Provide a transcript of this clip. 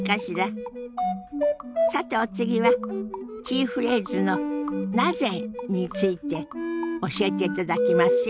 さてお次はキーフレーズの「なぜ？」について教えていただきますよ。